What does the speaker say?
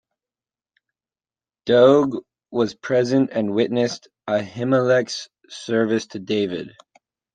Doeg was present and witnessed Ahimelech's service to David.